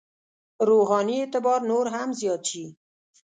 روحاني اعتبار نور هم زیات شي.